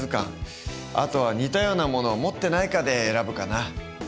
あとは似たようなものを持ってないかで選ぶかな。